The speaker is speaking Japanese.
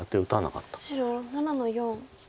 白７の四。